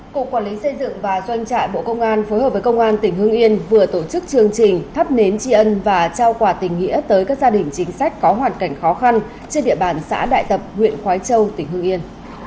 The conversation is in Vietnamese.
cục quản lý xây dựng và doanh trại bộ công an phối hợp với công an tỉnh hương yên vừa tổ chức chương trình thắp nến tri ân và trao quà tình nghĩa tới các gia đình chính sách có hoàn cảnh khó khăn trên địa bàn xã đại tập huyện khói châu tỉnh hương yên